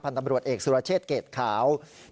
ทีมข่าวของเราก็ไปติดตามความคืบง่ากับทางพุมกับนะครับ